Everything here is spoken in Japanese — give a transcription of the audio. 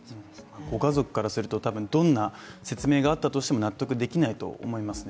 ご家族からすると、どんな説明があったとしても納得できないと思います。